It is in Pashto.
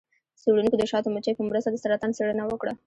څیړونکو د شاتو مچیو په مرسته د سرطان څیړنه وکړه.